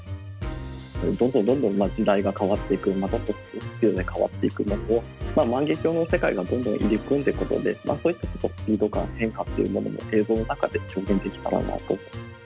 どんどんどんどん時代が変わっていく変わっていくものを万華鏡の世界がどんどん入り組んでいくことでスピード感変化っていうものも映像の中で表現できたらなと。